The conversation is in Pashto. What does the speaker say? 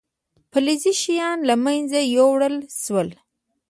فلزي شیان له منځه یوړل شول.